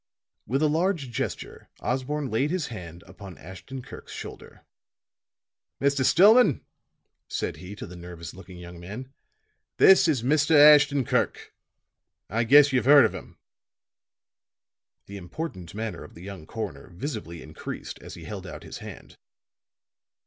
With a large gesture Osborne laid his hand upon Ashton Kirk's shoulder. "Mr. Stillman," said he to the nervous looking young man, "this is Mr. Ashton Kirk. I guess you've heard of him." The important manner of the young coroner visibly increased as he held out his hand.